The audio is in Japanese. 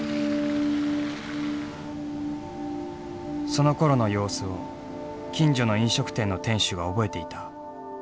そのころの様子を近所の飲食店の店主が覚えていた。